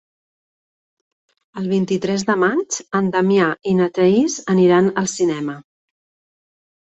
El vint-i-tres de maig en Damià i na Thaís aniran al cinema.